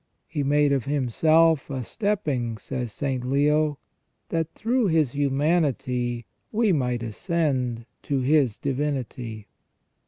" He made of Himself a stepping," says St. Leo, "that through His humanity we might ascend to His divinity."